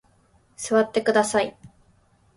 座ってください。